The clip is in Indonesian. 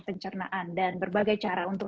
pencernaan dan berbagai cara untuk